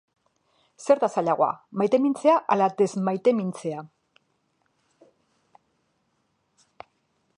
Zer da zailagoa, maitemintzea, ala desmaitemintzea?